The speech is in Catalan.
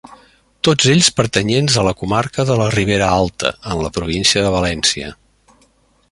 Tots ells pertanyents a la comarca de la Ribera Alta, en la província de València.